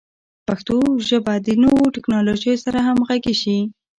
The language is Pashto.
پښتو ژبه د نویو ټکنالوژیو سره همغږي شي.